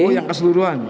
oh yang keseluruhan